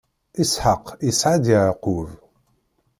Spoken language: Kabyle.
Isḥaq isɛa-d Yeɛqub.